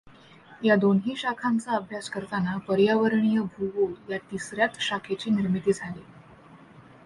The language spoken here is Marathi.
या दोन्ही शाखांचा अभ्यास करतांना पर्यावरणीय भूगोल या तिसऱ्याच शाखेची निर्मिती झाली.